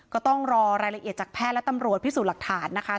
ก็ต้องรอรายละเอียดจากแพทย์และตำรวจพิสูจน์หลักฐานนะคะ